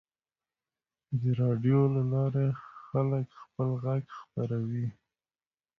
د راډیو له لارې خلک خپل غږ خپروي.